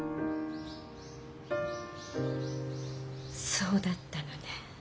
そうだったのね。